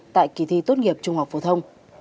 tại kỳ thi tốt nghiệp trung học phổ thông